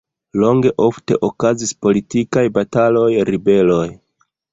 Longe ofte okazis politikaj bataloj, ribeloj.